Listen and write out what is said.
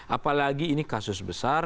apalagi ini kasus besar